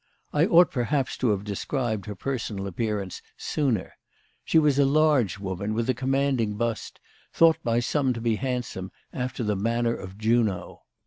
I ought perhaps to have described her personal appearance sooner. She was a large woman, with a commanding bust, thought by some to be handsome, after the manner of Juno.